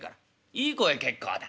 「いい声結構だ。